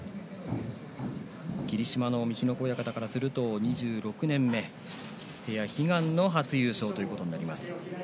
霧島の陸奥親方からすると２６年目、悲願の初優勝ということになります。